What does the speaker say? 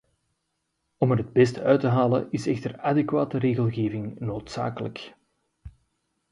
Om er het beste uit te halen is echter adequate regelgeving noodzakelijk.